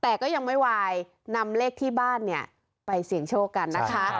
แต่ก็ยังไม่วายนำเลขที่บ้านเนี่ยไปเสี่ยงโชคกันนะคะ